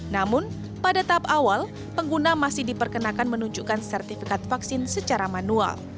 namun pada tahap awal pengguna masih diperkenakan menunjukkan sertifikat vaksin secara manual